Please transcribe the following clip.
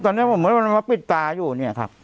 ตอนนี้ผมไม่รู้ว่ามันปิดตาอยู่เนี่ยครับ